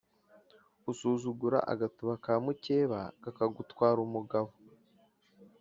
Usuzugura agatuba ka mucyeba kakagutwara umugabo.